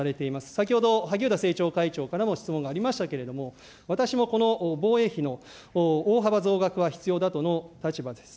先ほど、萩生田政調会長からも質問がありましたけれども、私もこの防衛費の大幅増額は必要だとの立場です。